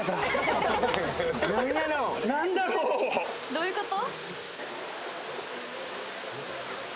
どういうこと？